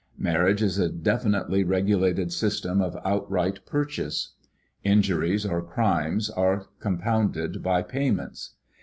Marriage is a definitely regulated system of outright purchase. Injuries or crimes are compounded by payments.